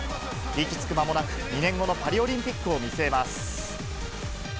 息つく間もなく、２年後のパリオリンピックを見据えます。